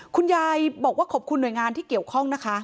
คุณยายบอกว่าขอบคุณหน่วยงานที่เกี่ยวข้องนะคะ